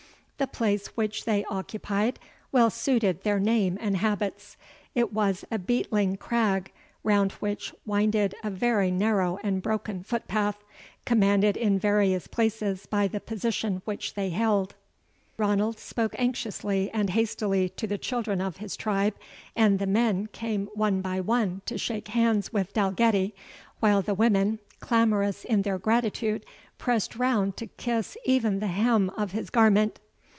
The place which they occupied well suited their name and habits. It was a beetling crag, round which winded a very narrow and broken footpath, commanded in various places by the position which they held. Ranald spoke anxiously and hastily to the children of his tribe, and the men came one by one to shake hands with Dalgetty, while the women, clamorous in their gratitude, pressed round to kiss even the hem of his garment.